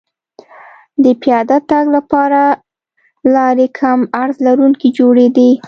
د پیاده تګ لپاره لارې کم عرض لرونکې جوړېدې